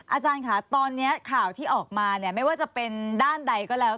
อาจารย์ค่ะตอนนี้ข่าวที่ออกมาเนี่ยไม่ว่าจะเป็นด้านใดก็แล้ว